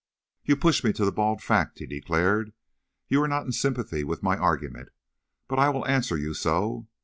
"You push me to the bald fact," he declared; "you are not in sympathy with my argument. But I will answer you so.